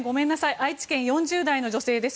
愛知県の４０代の女性です。